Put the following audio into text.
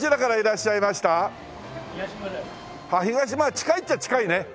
近いっちゃ近いね。